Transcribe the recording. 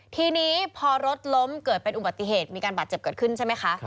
ทีนี้พอรถล้มเกิดเป็นอุบัติเหตุมีการบาดเจ็บเกิดขึ้นใช่ไหมคะ